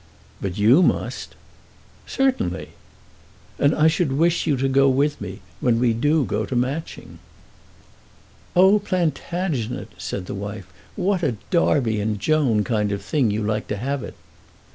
"But you must." "Certainly." "And I should wish you to go with me, when we do go to Matching." "Oh, Plantagenet," said the wife, "what a Darby and Joan kind of thing you like to have it!"